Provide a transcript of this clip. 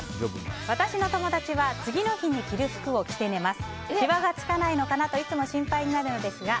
私の友達は次の日に着る服を着て、寝ます。